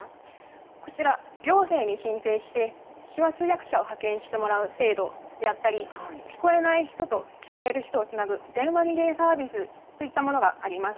こちら、行政に申請して手話通訳者を派遣してもらう制度であったり、聞こえない人と聞こえる人をつなぐ電話リレーサービスといったものがあります。